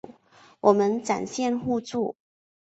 我们展现互助